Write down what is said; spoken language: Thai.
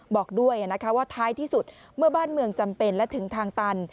บอกด้วยว่าท้ายที่สุดเมื่อบ้านเมืองจำเป็นและถึงทางตัน